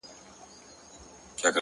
خو څو ستوري په گردو کي را ايسار دي-